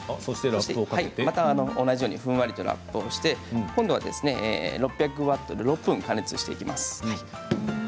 同じようにふんわりラップをして今度は６００ワットで６分加熱していきます。